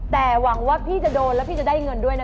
แต่หวังว่าพี่จะโดนแล้วพี่จะได้เงินด้วยนะ